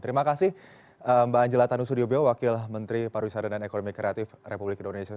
terima kasih mbak angela tanu sudiobyo wakil menteri pariwisata dan ekonomi kreatif republik indonesia